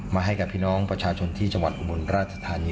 ให้กับพี่น้องประชาชนที่จังหวัดอุบลราชธานี